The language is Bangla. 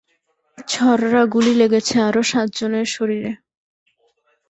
ছররা গুলি লেগেছে আরও সাতজনের শরীরে।